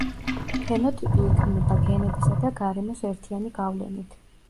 ფენოტიპი იქმნება გენებისა და გარემოს ერთიანი გავლენით.